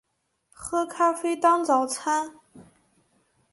喝咖啡当早餐